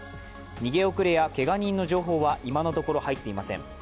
逃げ遅れやけが人の情報は今のところ入っていません。